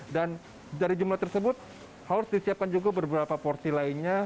dan dari jumlah tersebut harus disiapkan juga beberapa porsi lainnya